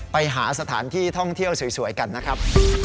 ไปหาสถานที่ท่องเที่ยวสวยกันนะครับ